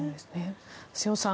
瀬尾さん